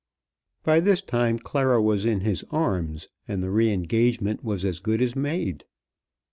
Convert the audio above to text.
By this time Clara was in his arms, and the re engagement was as good as made.